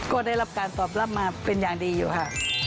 ก็ได้รับการตอบรับมาเป็นอย่างดีอยู่ค่ะ